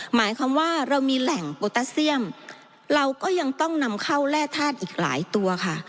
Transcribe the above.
หมายความว่าเรามีแหล่งโปรตาเซียมเราก็ยังต้องนำเข้าแร่ธาตุอีกหลายตัวค่ะ